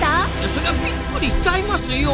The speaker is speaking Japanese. そりゃびっくりしちゃいますよ。